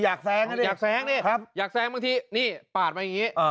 อยากแซงอยากแซงอยากแซงบางทีนี่ปาดมาอย่างนี้